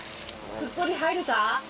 すっぽり入るか？